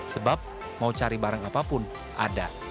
sebab mau cari barang apapun ada